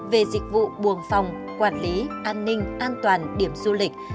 về dịch vụ buồng phòng quản lý an ninh an toàn điểm du lịch